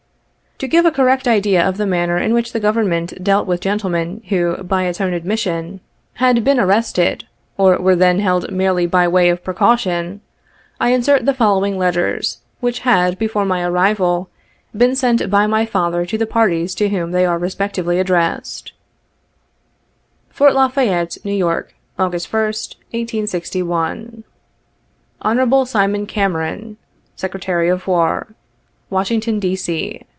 To give a correct idea of the manner in which the Government dealt with gentle men who, by its own admission, had been arrested, or were then held merely by w r ay of precaution, I insert the following letters, which had, before my arrival, been sent by my father to the parties to whom they are respectively addressed : "Fort La Fayette, N. Y., August 1st, 1861. "Hon SIMON CAMERON, SeJy of War, "Washington, D. C.